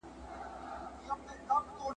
له ښوونکي له ملا مي اورېدله ..